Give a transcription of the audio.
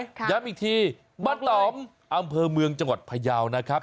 ย้ำอีกทีบ้านตอมอำเภอเมืองจังหวัดพยาวนะครับ